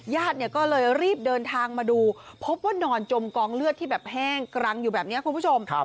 ญาติเนี่ยก็เลยรีบเดินทางมาดูพบว่านอนจมกองเลือดที่แบบแห้งกรังอยู่แบบนี้คุณผู้ชม